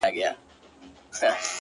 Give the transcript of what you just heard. زړه مي را خوري _